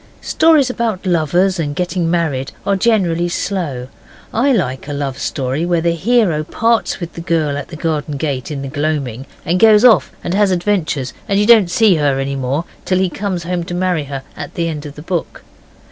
Stories about lovers and getting married are generally slow. I like a love story where the hero parts with the girl at the garden gate in the gloaming and goes off and has adventures, and you don't see her any more till he comes home to marry her at the end of the book.